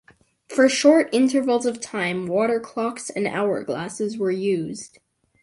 For short intervals of time water clocks and hourglasses were used.